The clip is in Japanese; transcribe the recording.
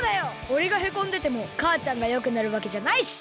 おれがへこんでてもかあちゃんがよくなるわけじゃないし！